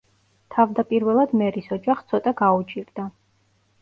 თავდაპირველად მერის ოჯახს ცოტა გაუჭირდა.